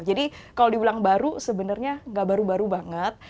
kalau dibilang baru sebenarnya nggak baru baru banget